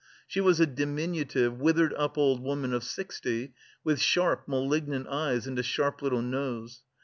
She was a diminutive, withered up old woman of sixty, with sharp malignant eyes and a sharp little nose.